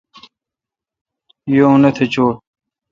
یہ او نتھ چوی۔